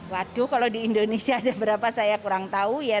waduh kalau di indonesia ada berapa saya kurang tahu ya